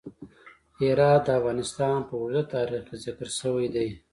هرات د افغانستان په اوږده تاریخ کې ذکر شوی دی.